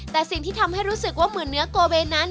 แต่สิ่งที่ทำให้รู้สึกว่าเหมือนเนื้อโกเวนนั้น